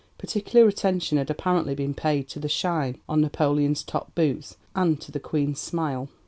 Particular attention had apparently been paid to the 'shine' on Napoleon's top boots and to the Queen's smile!